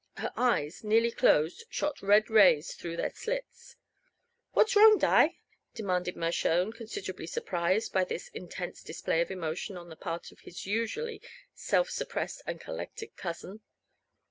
Her eyes, nearly closed, shot red rays through their slits. "What's wrong, Di?" demanded Mershone, considerably surprised by this intense display of emotion on the part of his usually self suppressed and collected cousin.